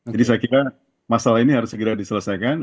jadi saya kira masalah ini harus segera diselesaikan